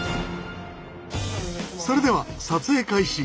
それでは撮影開始！